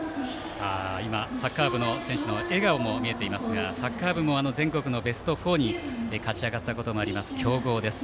サッカー部の選手の笑顔も見えていましたがサッカー部も全国のベスト４に勝ち上がったことがある強豪です。